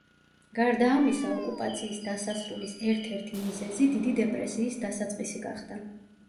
გარდა ამისა, ოკუპაციის დასასრულის ერთ–ერთი მიზეზი დიდი დეპრესიის დასაწყისი გახდა.